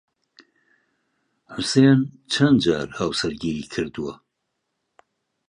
حوسێن چەند جار هاوسەرگیریی کردووە؟